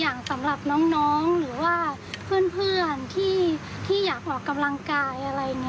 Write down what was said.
อย่างสำหรับน้องน้องหรือว่าเพื่อนที่ที่อยากออกกำลังกายอะไร